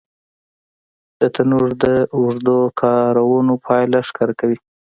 تنور د اوږدو کارونو پایله ښکاره کوي